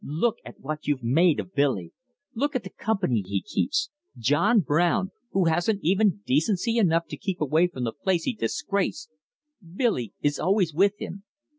"Look at what you've made of Billy! Look at the company he keeps John Brown, who hasn't even decency enough to keep away from the place he disgraced. Billy is always with him.